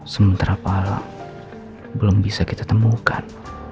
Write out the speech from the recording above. sementara pak al belum bisa kita temukan